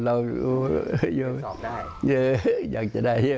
เราอยากจะได้เยอะ